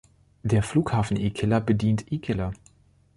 Der Flughafen Ikela bedient Ikela.